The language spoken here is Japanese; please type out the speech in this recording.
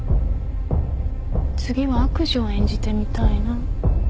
次は悪女を演じてみたいな。